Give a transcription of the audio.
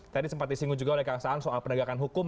tadi sempat disinggung juga oleh kekesaan soal penegakan hukum